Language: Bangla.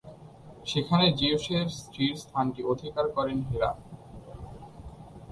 সেখানে জিউসের স্ত্রীর স্থানটি অধিকার করেন হেরা।